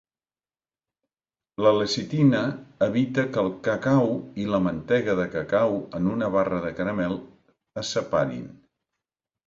La lecitina evita que el cacau i la mantega de cacau en una barra de caramel es separin.